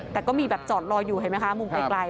แต่ก็มีแบบจอดรออยู่เห็นไหมคะมุมไกล